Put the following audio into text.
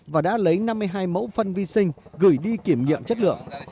và đã lấy năm mươi hai mẫu phân vi sinh gửi đi kiểm nghiệm chất lượng